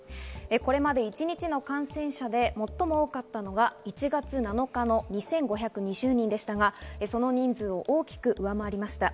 これまで一日の感染者で最も多かったのが１月７日の２５２０人でしたが、その人数を大きく上回りました。